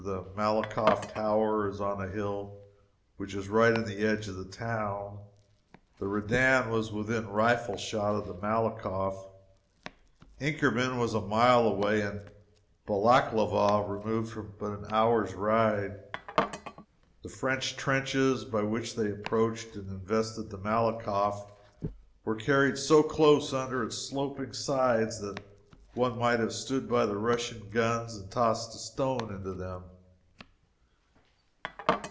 The Malakoff tower is on a hill which is right in the edge of the town. The Redan was within rifle shot of the Malakoff; Inkerman was a mile away; and Balaklava removed but an hour's ride. The French trenches, by which they approached and invested the Malakoff were carried so close under its sloping sides that one might have stood by the Russian guns and tossed a stone into them.